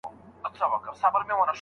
د څڼور نقيب تصوير مې په لاسونو کې دی